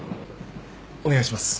お願いします。